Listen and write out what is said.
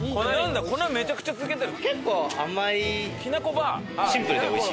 粉めちゃくちゃ付けてる。